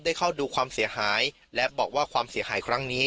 เข้าดูความเสียหายและบอกว่าความเสียหายครั้งนี้